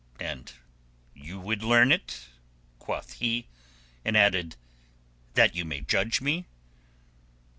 "And you would learn it?" quoth he, and added, "That you may judge me?"